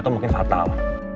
atau mungkin fatal